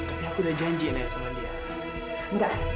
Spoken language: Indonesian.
tapi aku udah janji ya sama dia